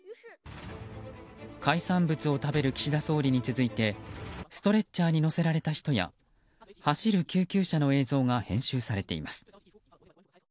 海産物を食べる岸田総理に続いてストレッチャーに乗せられた人や走る救急車の映像が編集されています。